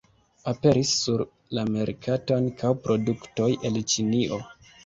Aperis sur la merkato ankaŭ produktoj el Ĉinio.